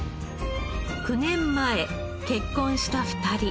９年前結婚した２人。